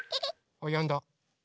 あっやんだ。